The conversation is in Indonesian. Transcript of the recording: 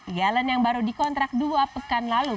elen yang baru dikontrak dua pekan lalu